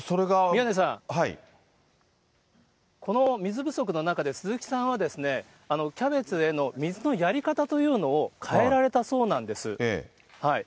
宮根さん、この水不足の中で、鈴木さんはキャベツへの水のやり方というのを変えられたそうなんです。